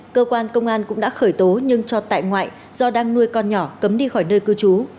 cơ quan công an cũng đã khởi tố nhưng cho tại ngoại do đang nuôi con nhỏ cấm đi khỏi nơi cư trú